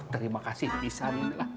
terima kasih bisa nih pak